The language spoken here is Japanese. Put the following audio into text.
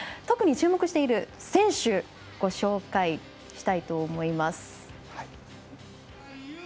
特に注目している選手ご紹介したいと思います。